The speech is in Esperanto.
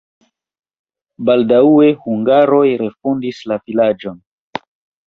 Baldaŭe hungaroj refondis la vilaĝon.